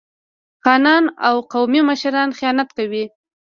خانان او قومي مشران خیانت کوي.